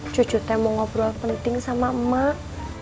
cucu saya mau ngobrol penting sama emak